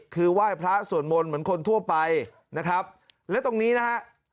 คือไหว้พระสวดมนต์เหมือนคนทั่วไปนะครับและตรงนี้นะฮะ